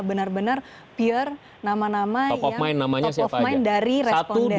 benar benar pure nama nama yang top of mind dari responden